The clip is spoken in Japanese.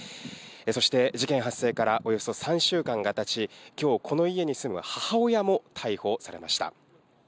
そして事件発生からおよそ３週間がたち、きょう、この家に住む母親も逮捕されました。